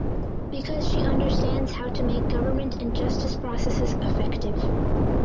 Because she understands how to make government and justice processes effective.